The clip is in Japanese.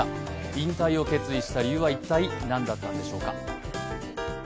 引退を決意した理由は一体何だったんでしょうか。